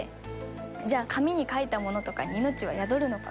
じゃあ紙に書いたものとかに命は宿るのか。